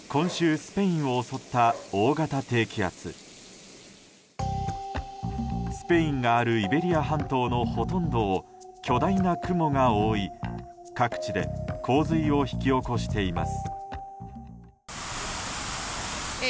スペインがあるイベリア半島のほとんどを巨大な雲が覆い、各地で洪水を引き起こしています。